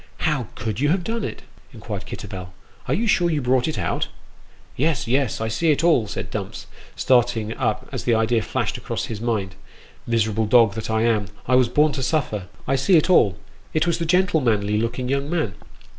" How could you have done it ?" inquired Kitterbell. " Are you sure you brought it out ?"" Yes ! yes ! I see it all !" said Dumps, starting up as the idea flashed across his mind ;" miserable dog that I am I was born to suffer. I see it all : it was the gentlemanly looking young man